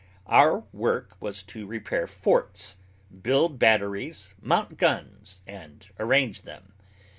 Our work was to repair forts, build batteries, mount guns, and arrange them.